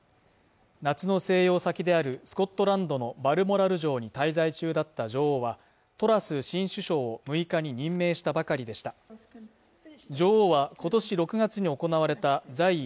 夏の静養先であるスコットランドのバルモラル城に滞在中だった女王はトラス新首相を６日に任命したばかりでした女王はことし６月に行われた在位